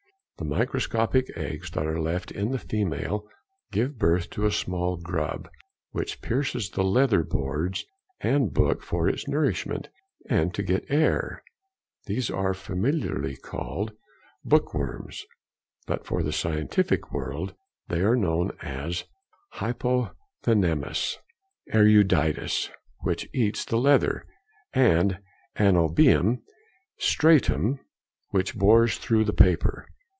The microscopic eggs that are left by the female give birth to a small grub, which pierces the leather boards and book for its nourishment, and to get to the air. These are familiarly called bookworms, but by the scientific world they are known as hypothenemus eruditus which eats the leather, and anobium striatum which bores through the paper.